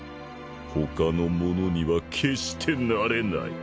他のものには決してなれない。